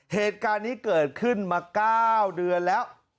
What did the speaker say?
เหตุการณ์นี้เกิดขึ้นมา๙เดือนแล้ว